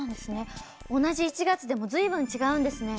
同じ１月でもずいぶん違うんですね。